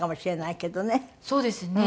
そうですね。